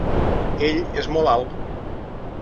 Ell és molt alt.